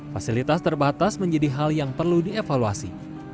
fasilitas terbatas menjadi hal yang perlu dievaluasi